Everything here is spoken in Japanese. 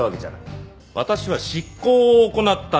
私は執行を行ったのみだ！